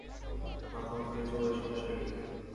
মাথা উচু-নিচু হলে সমস্যা কি?